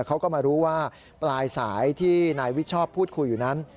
เขาก็มารู้ว่าปลายสายที่นายวิชชอบพูดคุยอยู่นั้น